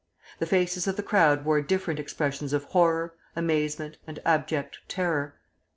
The faces of the crowd wore different expressions of horror, amazement, and abject terror....